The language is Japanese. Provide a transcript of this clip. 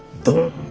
どう？